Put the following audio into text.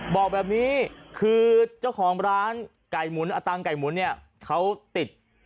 บอกแบบนี้คือเจ้าของร้านไก่หมุนอตังไก่หมุนเนี่ยเขาติด